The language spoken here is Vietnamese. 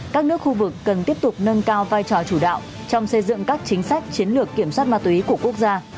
các nước khu vực cần tiếp tục nâng cao vai trò chủ đạo trong xây dựng các chính sách chiến lược kiểm soát ma túy của quốc gia